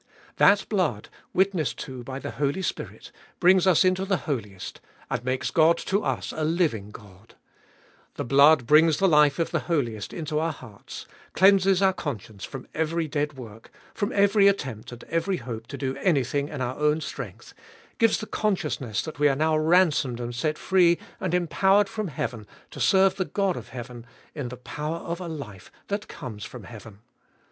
That blood, witnessed to by the Holy Spirit, brings us into the Holiest, and makes God to us a living God ! That blood brings the life of the Holiest into our hearts, cleanses our conscience from every dead work, from every attempt and every hope to do anything in our own strength, gives the consciousness that we are now ransomed and set free and empowered from heaven to serve the God of heaven in the power of a life that comes from heaven.